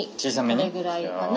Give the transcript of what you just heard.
これぐらいかな。